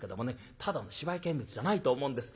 ただの芝居見物じゃないと思うんです。